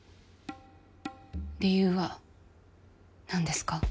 理由は何ですか？